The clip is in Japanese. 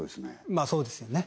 まあそうですよね